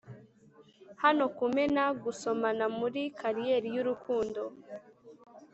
hano kumena gusomana muri kariyeri y'urukundo